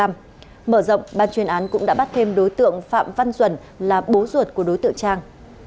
mở rộng ban chuyên án cũng đã bắt thêm đối tượng phạm văn duẩn là bố ruột của đối tượng trang